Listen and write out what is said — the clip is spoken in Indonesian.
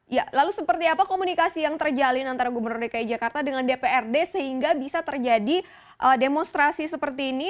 ya lalu seperti apa komunikasi yang terjalin antara gubernur dki jakarta dengan dprd sehingga bisa terjadi demonstrasi seperti ini